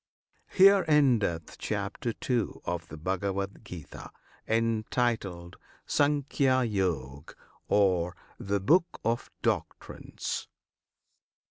HERE ENDETH CHAPTER II. OF THE BHAGAVAD GITA, Entitled "Sankhya Yog," Or "The Book of Doctrines."